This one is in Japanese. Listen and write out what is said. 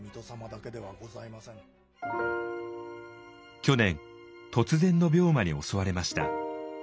去年突然の病魔に襲われました。